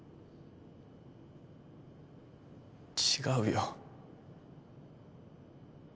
違うよ。